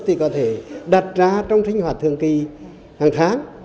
thì có thể đặt ra trong sinh hoạt thường kỳ hàng tháng